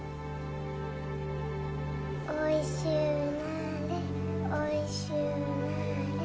おいしゅうなれおいしゅうなれ。